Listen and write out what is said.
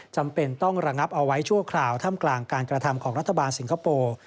จำเป็นต้องระงับเอาไว้ชั่วคราวท่ามกลางการกระทำของรัฐบาลสิงคโปร์